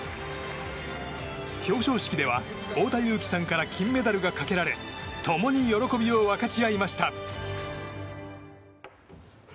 表彰式では、太田雄貴さんから金メダルがかけられ共に喜びを分かち合いました。